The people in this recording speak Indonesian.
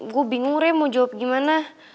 gue bingung re mau jawab gimana